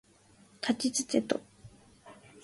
たちつてと